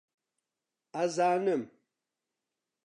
ئەزانم